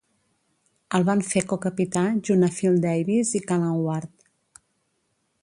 El van fer co-capità junt a Phil Davis i Callan Ward.